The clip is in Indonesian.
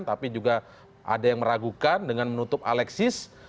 tapi juga ada yang meragukan dengan menutup alexis